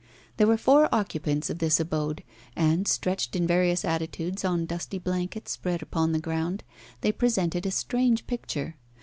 There were four occupants of this abode, and, stretched in various attitudes on dusty blankets spread upon the ground, they presented a strange picture.